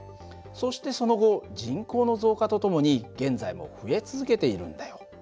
そしてその後人口の増加とともに現在も増え続けているんだよ。